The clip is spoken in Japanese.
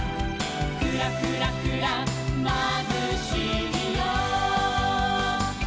「クラクラクラまぶしいよ」